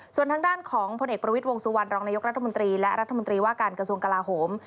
ส่วนทางด้านของพลเอกประวิทย์วงสุวรรณรองนายกรัฐมนตรีและรัฐมนตรีว่าการกระทรวงกลาโหม